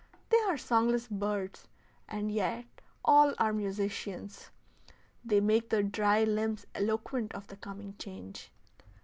They are songless birds, and yet all are musicians; they make the dry limbs eloquent of the coming change.